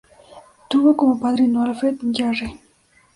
Tuvo como padrino a Alfred Jarry.